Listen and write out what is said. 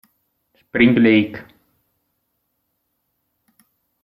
Spring Lake